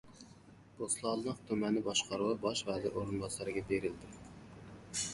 Bo‘stonliq tumani boshqaruvi Bosh vazir o‘rinbosariga berildi